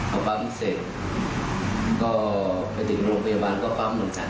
พร้อมพร้อมเสร็จก็ไปถึงโรงพยาบาลก็พร้อมเหมือนกัน